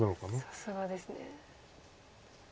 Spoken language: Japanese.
さすがですね。